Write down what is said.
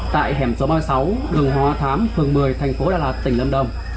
tại hẻm số ba mươi sáu đường hòa thám phường một mươi thành phố đà lạt tỉnh lâm đồng